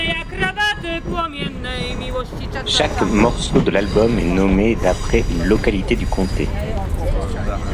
Chaque morceau de l'album est nommé d'après une localité du comté.